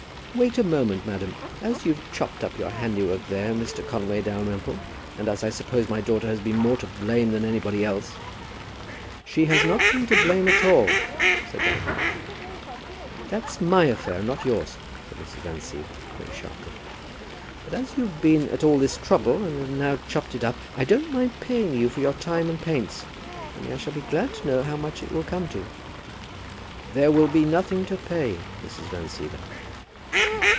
"Wait a moment, madam. As you've chopped up your handiwork there, Mr. Conway Dalrymple, and as I suppose my daughter has been more to blame than anybody else " "She has not been to blame at all," said Dalrymple. "That's my affair, and not yours," said Mrs. Van Siever, very sharply. "But as you've been at all this trouble, and have now chopped it up, I don't mind paying you for your time and paints; only I shall be glad to know how much it will come to?" "There will be nothing to pay, Mrs. Van Siever."